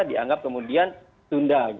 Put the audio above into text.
dianggap kemudian tunda